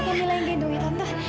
biar kamila yang gendong ya tante